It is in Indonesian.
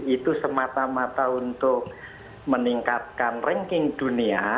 itu semata mata untuk meningkatkan ranking dunia